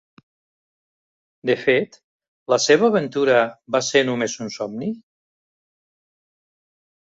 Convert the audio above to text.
De fet, la seva aventura va ser només un somni?